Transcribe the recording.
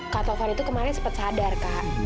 kak taufan itu kemarin sempat sadar kak